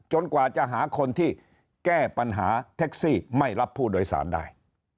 กว่าจะหาคนที่แก้ปัญหาแท็กซี่ไม่รับผู้โดยสารได้